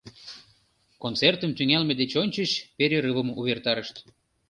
Концертым тӱҥалме деч ончыч перерывым увертарышт.